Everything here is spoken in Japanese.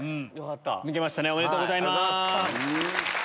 抜けましたねおめでとうございます。